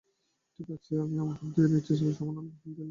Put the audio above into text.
ঠিক আছে, আমি আমার হাত ধুয়ে নিচ্ছি এবং সামান্য অ্যালকোহল ঢেলে দিচ্ছি।